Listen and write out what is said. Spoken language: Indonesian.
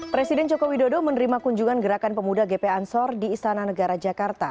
presiden joko widodo menerima kunjungan gerakan pemuda gp ansor di istana negara jakarta